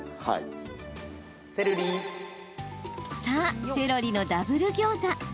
さあ、セロリのダブルギョーザ。